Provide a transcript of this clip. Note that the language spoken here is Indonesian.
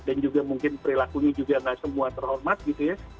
dan juga mungkin perilakunya juga tidak semua terhormat gitu ya